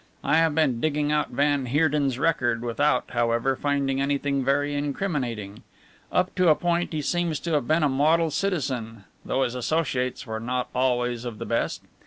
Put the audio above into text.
I have been digging out van Heerden's record without, however, finding anything very incriminating. Up to a point he seems to have been a model citizen, though his associates were not always of the best.